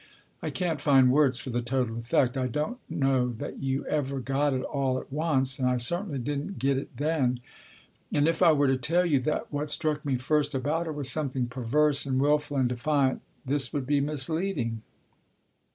I can't find words for the total effect (I don't know that you ever got it all at once, and I cer tainly didn't get it then), and if I were to tell you that what struck me first about her was something perverse and wilful and defiant, this would be misleading.